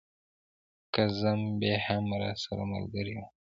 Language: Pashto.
کاظم بې هم راسره ملګري ول.